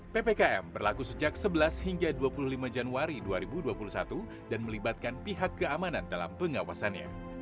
ppkm berlaku sejak sebelas hingga dua puluh lima januari dua ribu dua puluh satu dan melibatkan pihak keamanan dalam pengawasannya